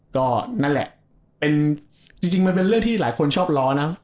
ก็นั่นแหละเป็นจริงมันเป็นเรื่องที่หลายคนชอบล้อนะ